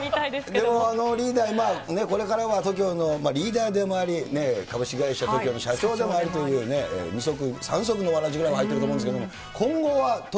でもリーダー、これからはＴＯＫＩＯのリーダーでもあり、株式会社ＴＯＫＩＯの社長でもありというね、二足、三足のわらじを履いていると思うんですけれども、でも今後はＴＯ